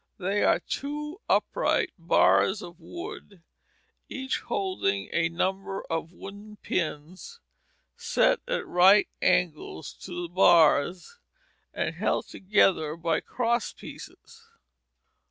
They are two upright bars of wood, each holding a number of wooden pins set at right angles to the bars, and held together by crosspieces.